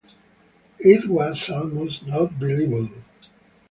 It was almost not believable.